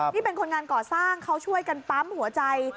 เป็นคนงานก่อสร้างเขาช่วยกันปั๊มหัวใจ